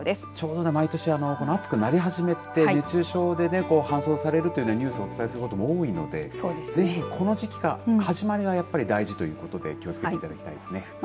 ちょうど毎年暑くなり始めて熱中症で搬送されるというようなニュースをお伝えすることも多いのでぜひこの時期から始まりが大事ということで気をつけていただきたいですね。